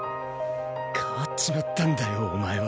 変わっちまったんだよお前は。